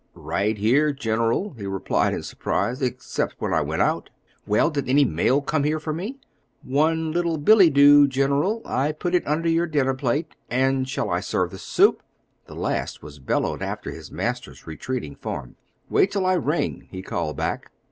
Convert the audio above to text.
"Right here, General," he replied in surprise, "except when I went out." "Well; did any mail come here for me?" "One little Billy do, General. I put it under your dinner plate; and shall I serve the soup?" the last was bellowed after his master's retreating form. "Wait till I ring," he called back.